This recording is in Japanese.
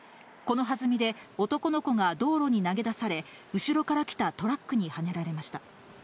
このはずみで男の子が道路に投げ出され、後ろから来たトラックにはねられました。